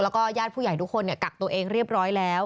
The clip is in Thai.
แล้วก็ญาติผู้ใหญ่ทุกคนกักตัวเองเรียบร้อยแล้ว